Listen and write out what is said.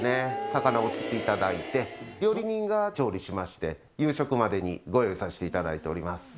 魚を釣っていただいて、料理人が調理しまして、夕食までにご用意させていただいております。